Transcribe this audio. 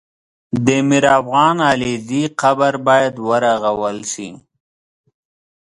د میرافغان علیزي قبر باید ورغول سي